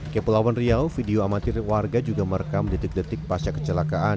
ke pulau wenriau video amatir warga juga merekam detik detik pasca kecelakaan